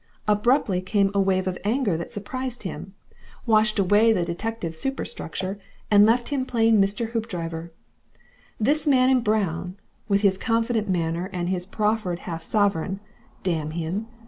Abruptly came a wave of anger that surprised him, washed away the detective superstructure, and left him plain Mr. Hoopdriver. This man in brown, with his confident manner, and his proffered half sovereign (damn him!)